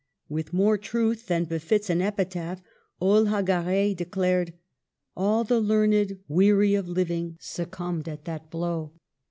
With more truth than befits an epi taph, Olhagaray declared, "All the learned, weary of living, succumbed at that blow."